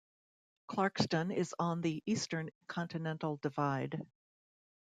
Clarkston is on the Eastern Continental Divide.